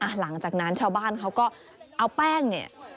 หลังจากนั้นชาวบ้านเขาก็เอาแป้งเนี่ย